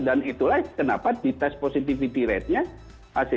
dan itulah kenapa di tes posisi ini ya itu yang menurut saya ya